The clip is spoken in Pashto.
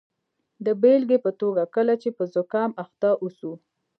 د بیلګې په توګه کله چې په زکام اخته اوسو.